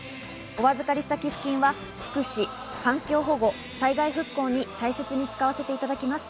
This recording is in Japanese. お預かりした寄付金は福祉・環境保護・災害復興に大切に使わせていただきます。